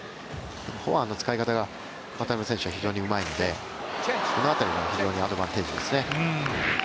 フォアの使い方が渡辺選手は非常にうまいのでこの辺りも非常にアドバンテージですね。